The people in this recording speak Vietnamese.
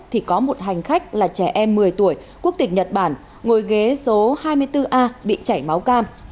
thì có một hành khách là trẻ em một mươi tuổi quốc tịch nhật bản ngồi ghế số hai mươi bốn a bị chảy máu cam